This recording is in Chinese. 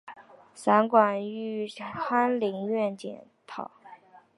散馆授翰林院检讨。